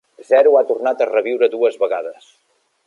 Zero ha tornat a reviure dues vegades!